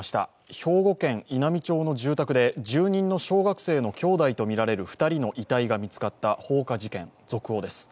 兵庫県稲美町の住宅で住人の小学生の兄弟とられる２人の遺体が見つかった放火事件、続報です。